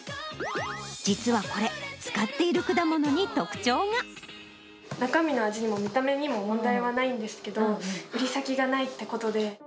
実はこれ、使っている果物に特徴中身の味にも見た目にも、問題はないんですけど、売り先がないってことで。